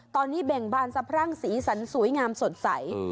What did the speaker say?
ตอนนี้เบ่งบานสะพรั่งสีสันสวยงามสดใส